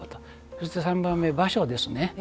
そして３番目、場所ですね。